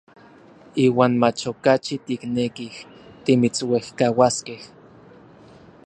Iuan mach okachi tiknekij timitsuejkauaskej.